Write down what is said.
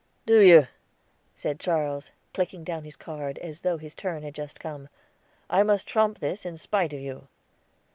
"Do you?" said Charles, clicking down his card, as though his turn had just come. "I must trump this in spite of you."